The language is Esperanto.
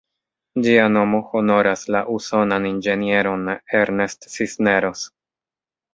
Ĝia nomo honoras la usonan inĝenieron "Ernest Cisneros".